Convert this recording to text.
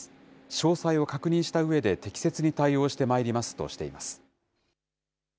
詳細を確認したうえで、適切に対応してまいりますとしています。